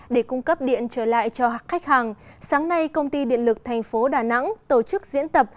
để cung cấp điện trở lại cho khách hàng sáng nay công ty điện lực thành phố đà nẵng tổ chức diễn tập